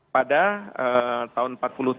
pada tahun empat puluh lima empat puluh tujuh